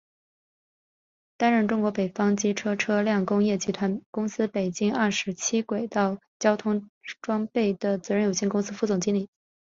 担任中国北方机车车辆工业集团公司北京二七轨道交通装备有限责任公司副总经理。